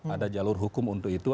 ada jalur hukum untuk itu